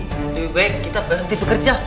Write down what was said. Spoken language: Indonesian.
lebih baik kita berhenti bekerja